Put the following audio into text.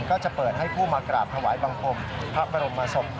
ก็จะเปิดให้ผู้มากราบถวายบังคมพระบรมศพ